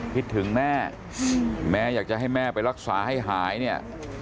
พิทย์ถึงแม่อยากจะให้แม่ไปรักษาให้หายนี่